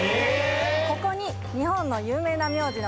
ここに。